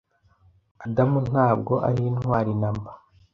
Adamu ntabwo arintwari namba: